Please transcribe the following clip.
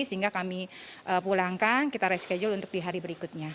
sehingga kami pulangkan kita reschedule untuk di hari berikutnya